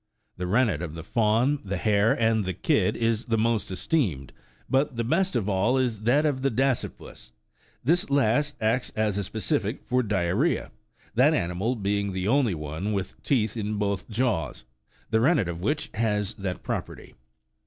The rennet of the fawn, the hare, and the kid is the most esteemed, but the best of all is that of the dasypus : this last acts as a specific for diarrhoea, that animal being the only one with teeth in both jaws, the rennet of which has that property.